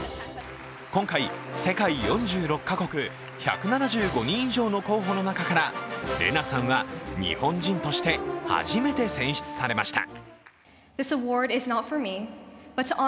今回、世界４６か国１７５人以上の候補の中からレナさんは日本人として初めて選出されました。